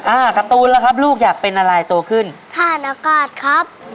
อ่าการ์ตูนล่ะครับลูกอยากเป็นอะไรโตขึ้นถ่านอากาศครับ